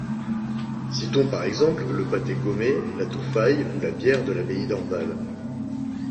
Citons par exemple, le pâté gaumais, la touffaye ou la bière de l'abbaye d'Orval.